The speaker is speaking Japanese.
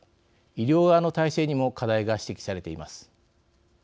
医療側の体制にも課題が指摘されています。